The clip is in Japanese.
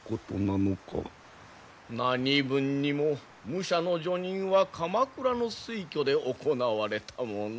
何分にも武者の叙任は鎌倉の推挙で行われたもの。